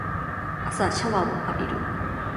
朝シャワーを浴びる